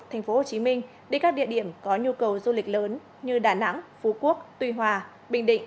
tp hcm đến các địa điểm có nhu cầu du lịch lớn như đà nẵng phú quốc tùy hòa bình định